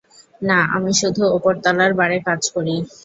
না, আমি শুধু ওপরতলার বারে কাজ করি।